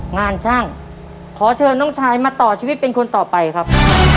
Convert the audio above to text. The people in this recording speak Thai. งานช่างขอเชิญน้องชายมาต่อชีวิตเป็นคนต่อไปครับ